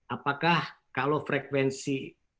apakah kalau frekuensi